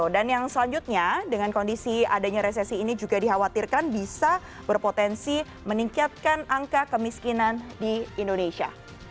dan yang selanjutnya dengan kondisi adanya resesi ini juga dikhawatirkan bisa berpotensi meningkatkan angka kemiskinan di indonesia